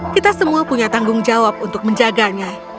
kita semua punya tanggung jawab untuk menjaganya